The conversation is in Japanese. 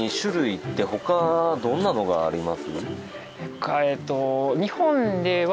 他えっと。